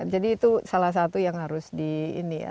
jadi itu salah satu yang harus di